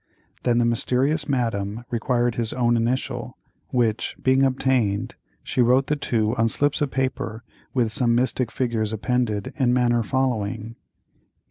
Then the mysterious Madame required his own initial, which, being obtained, she wrote the two on slips of paper with some mystic figures appended, in manner following.